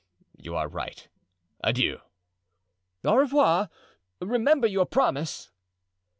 "You are right. Adieu." "Au revoir. Remember your promise."